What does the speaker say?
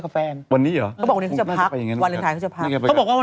กระเป๋งกระเป๋ามันซื้อกลัว